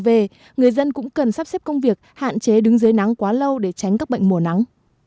vì người dân cũng cần sắp xếp công việc hạn chế đứng dưới nắng quá lâu để tránh các bệnh mùa nắng